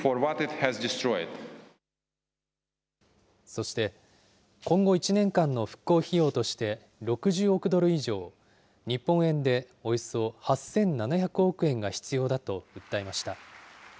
そして、今後１年間の復興費用として６０億ドル以上、日本円でおよそ８７００億円が必要だと訴えました。